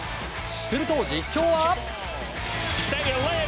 すると、実況は。